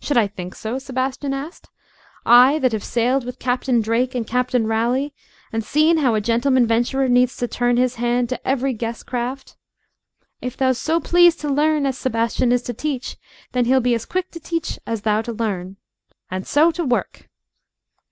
"Should I think so?" Sebastian asked; "I that have sailed with Captain Drake and Captain Raleigh, and seen how a gentleman venturer needs to turn his hand to every guess craft? If thou's so pleased to learn as Sebastian is to teach, then he'll be as quick to teach as thou to learn. And so to work!"